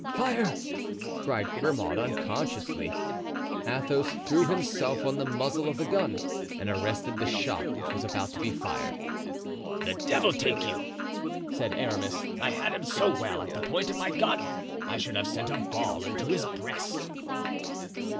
"Fire!" cried Grimaud, unconsciously. Athos threw himself on the muzzle of the gun and arrested the shot which was about to be fired. "The devil take you," said Aramis. "I had him so well at the point of my gun I should have sent a ball into his breast."